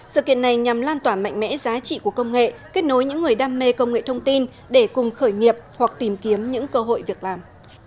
sự kiện này nhằm lan tỏa mạnh mẽ giá trị của công nghệ kết nối những người đam mê công nghệ thông tin để cùng khởi nghiệp hoặc tìm kiếm những cơ hội việc làm